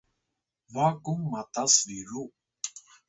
ba kung matas biru